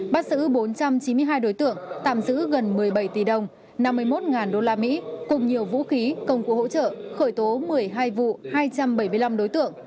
bắt xử bốn trăm chín mươi hai đối tượng tạm giữ gần một mươi bảy tỷ đồng năm mươi một usd cùng nhiều vũ khí công cụ hỗ trợ khởi tố một mươi hai vụ hai trăm bảy mươi năm đối tượng